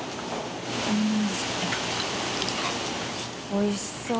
おいしそう。